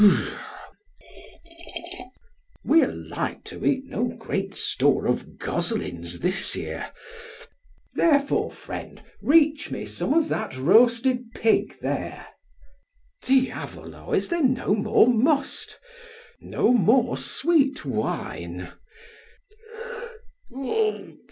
We are like to eat no great store of goslings this year; therefore, friend, reach me some of that roasted pig there. Diavolo, is there no more must? No more sweet wine?